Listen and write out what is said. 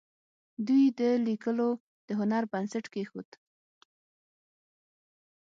دوی د لیکلو د هنر بنسټ کېښود.